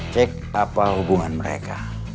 cek apa hubungan mereka